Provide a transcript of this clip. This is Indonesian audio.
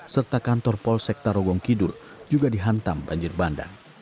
serta kantor polsek tarogong kidul juga dihantam banjir bandang